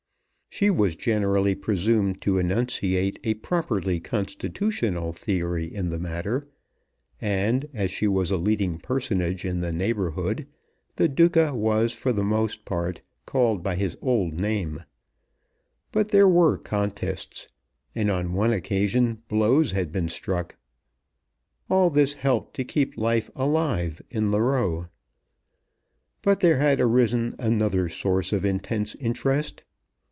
She was generally presumed to enunciate a properly constitutional theory in the matter, and, as she was a leading personage in the neighbourhood, the Duca was for the most part called by his old name; but there were contests, and on one occasion blows had been struck. All this helped to keep life alive in the Row. But there had arisen another source of intense interest.